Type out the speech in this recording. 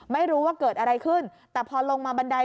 ไม่รู้ว่าเกิดอะไรขึ้นแต่พอลงมาบันได